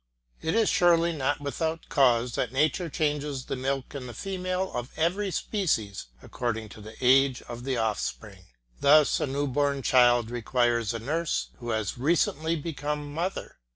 It is surely not without cause that nature changes the milk in the female of every species according to the age of the offspring. Thus a new born child requires a nurse who has recently become mother.